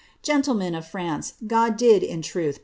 Gentlemen of France, Go<i did, in uuth.